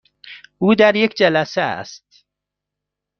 او در یک جلسه است.